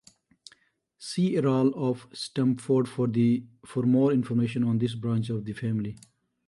See Earl of Stamford for more information on this branch of the family.